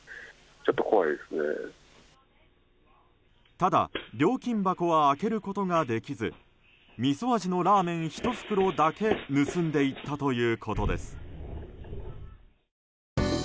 ただ、料金箱は開けることができずみそ味のラーメン１袋だけ盗んでいったということです。